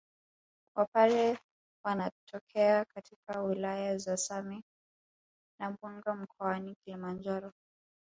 Wapare wanatokea katika wilaya za Same na Mwanga mkoani Kilimanjaro